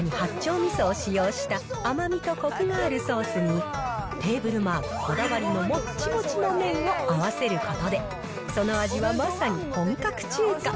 みそを使用した甘みとこくがあるソースに、テーブルマークこだわりのもっちもちの麺を合わせることで、その味はまさに本格中華。